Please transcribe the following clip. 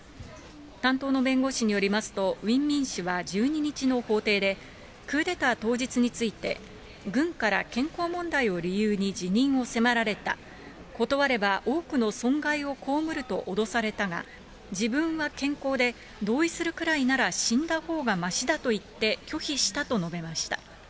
担当の弁護士によりますと、ウィン・ミン氏は１２日の法廷でクーデター当日について、軍から健康問題を理由に辞任を迫られた、断れば多くの損害を被ると脅されたが、自分は健康で同意するくらいなら死んだほうがましだと言って拒否したと述べました。